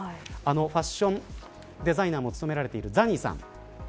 ファッションデザイナーも務められているザニーさん。